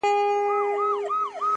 چي « غلي انقلاب » ته یې زلمي هوښیاروله!